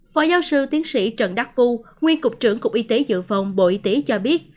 phó giáo sư tiến sĩ trần đắc phu nguyên cục trưởng cục y tế dự phòng bộ y tế cho biết